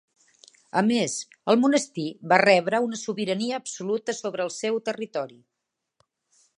A més, el monestir va rebre una sobirania absoluta sobre el seu territori.